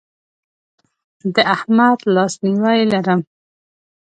د احمد لاسنیوی لرم.